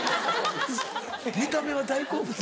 見た目は大好物。